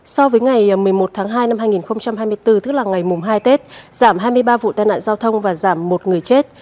so với ngày một mươi một tháng hai năm hai nghìn hai mươi bốn tức là ngày mùng hai tết giảm hai mươi ba vụ tai nạn giao thông và giảm một người chết